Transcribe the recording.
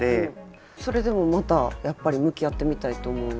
それでもまたやっぱり向き合ってみたいと思うわけ？